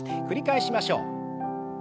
繰り返しましょう。